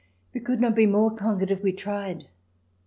We could not be more conquered if we tried.